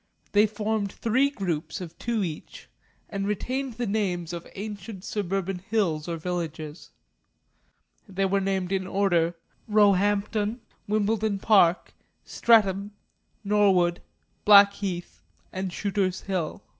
They formed three groups of two each and retained the names of ancient suburban hills or villages. They were named in order, Roehampton, Wimbledon Park, Streatham, Norwood, Blackheath, and Shooter's Hill.